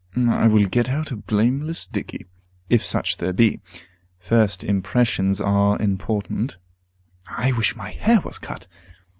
I will get out a blameless dickey, if such there be. First impressions are important. I wish my hair was cut!